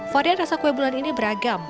varian rasa kue bulan ini beragam